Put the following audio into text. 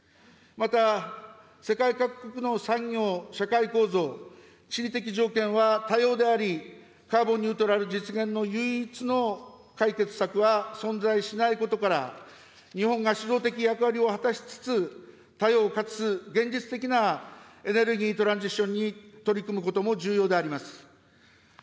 また、世界各国の産業・社会構造、地理的条件は多様であり、カーボンニュートラル実現の唯一の解決策は存在しないことから、日本が主導的役割を果たしつつ、多様かつ現実的なエネルギートランジションに取り組むことも重要であります。